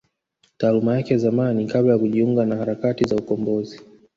Taaluma yake ya zamani kabla ya kujiunga na harakati za ukombozi